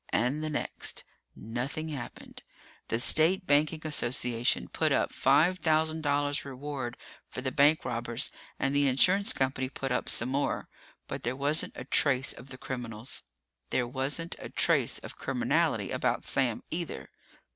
And the next. Nothing happened. The state banking association put up five thousand dollars reward for the bank robbers and the insurance company put up some more, but there wasn't a trace of the criminals. There wasn't a trace of criminality about Sam, either.